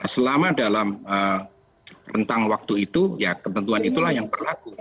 selama dalam rentang waktu itu ya ketentuan itulah yang berlaku